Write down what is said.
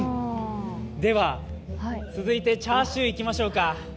では続いてチャーシュー、いきましょうか。